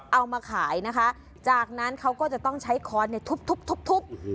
เอามาขายนะคะจากนั้นเขาก็จะต้องใช้ค้อนทุบ